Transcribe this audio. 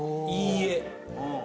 いいえ。